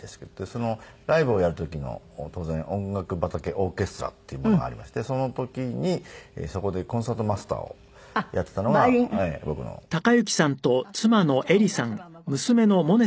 そのライブをやる時の当然音楽畑オーケストラっていうものがありましてその時にそこでコンサートマスターをやってたのが僕の妻ですね。